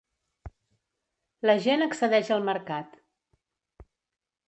La gent accedeix al mercat.